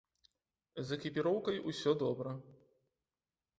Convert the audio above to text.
З экіпіроўкай усё добра.